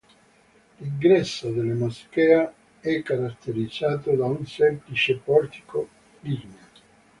L'ingresso della moschea è caratterizzato da un semplice portico ligneo.